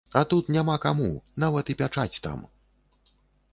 А тут няма каму, нават і пячаць там.